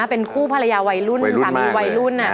เป็นคู่ภรรยาวัยรุ่นสามีวัยรุ่น